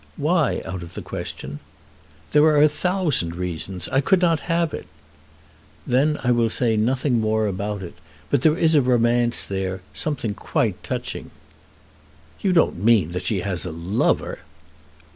"Why out of the question?" "There are a thousand reasons. I could not have it." "Then I will say nothing more about it. But there is a romance there, something quite touching." "You don't mean that she has a lover?"